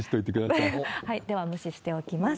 はい、では無視しておきます。